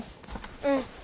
うん。